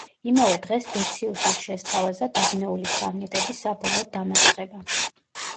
იმავე დღეს დეციუსის შესთავაზა დაბნეული სამნიტების საბოლოოდ დამარცხება.